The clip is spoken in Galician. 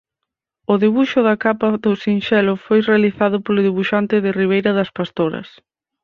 O debuxo da capa do sinxelo foi realizado polo debuxante de Ribeira Das Pastoras.